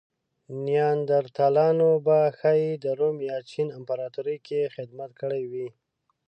نیاندرتالانو به ښايي د روم یا چین امپراتورۍ کې خدمت کړی وی.